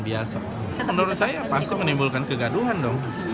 menurut saya pasti menimbulkan kegaduhan dong